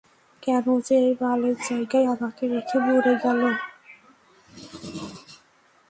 কেন যে এই বালের জায়গায় আমাকে রেখে মরে গেল?